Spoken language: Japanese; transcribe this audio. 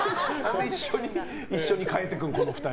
一緒に変えてくの、この２人。